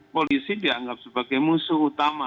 polisi dianggap sebagai musuh utama